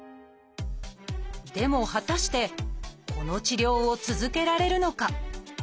でも果たしてこの治療を続けられるのか？